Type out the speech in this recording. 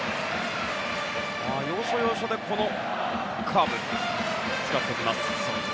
要所要所でこのカーブを使ってきます。